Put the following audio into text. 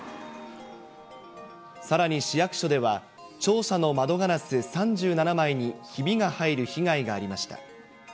さらに市役所では、庁舎の窓ガラス３７枚に、ひびが入る被害がありました。